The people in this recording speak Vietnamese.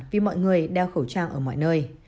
vì mọi người đeo khẩu trang ở mọi nơi